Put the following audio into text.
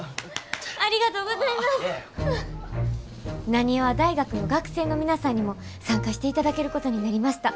浪速大学の学生の皆さんにも参加していただけることになりました。